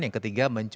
yang ketiga mencuci